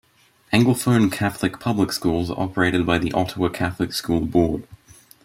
Anglophone Catholic public schools are operated by the Ottawa Catholic School Board.